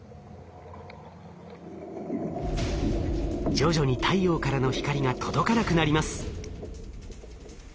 徐々に太陽からの光が届かなくなります。